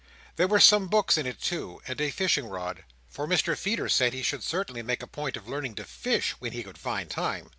There were some books in it, too, and a fishing rod; for Mr Feeder said he should certainly make a point of learning to fish, when he could find time.